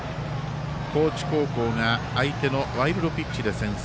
高知高校が相手のワイルドピッチで先制。